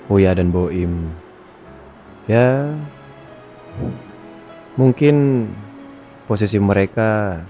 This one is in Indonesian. oya dan boim ya mungkin posisi mereka